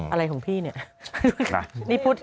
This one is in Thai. อะไรของพี่เนี่ย